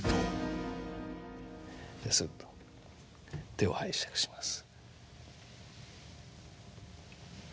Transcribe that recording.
すっと手を拝借します。